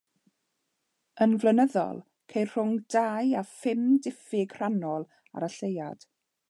Yn flynyddol ceir rhwng dau a phum diffyg rhannol ar y lleuad.